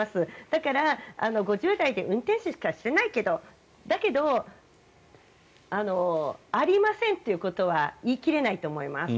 だから５０代で運転手しかしてないけどだけど、ありませんということは言い切れないと思います。